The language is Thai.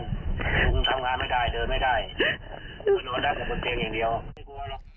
ลุงทำงานไม่ได้เดินไม่ได้โดนได้ของคนเดียว